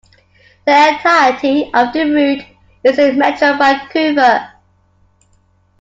The entirety of the route is in Metro Vancouver.